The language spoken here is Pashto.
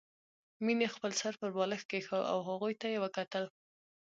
مينې خپل سر پر بالښت کېښود او هغوی ته يې وکتل